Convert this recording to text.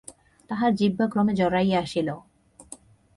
তাহার জিহ্বা ক্রমে জড়াইয়া আসিল।